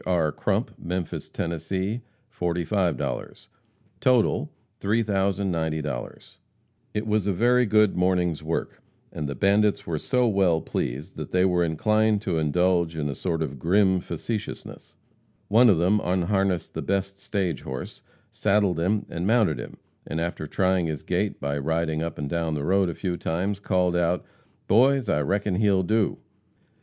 R. Crump, Memphis, Tenn., 45 00 Total, $3,090 00 It was a very good morning's work, and the bandits were so well pleased that they were inclined to indulge in a sort of grim facetiousness. One of them unharnessed the best stage horse, saddled him and mounted him, and after trying his gait by riding up and down the road a few times, called out: "Boys, I reckon he'll do!"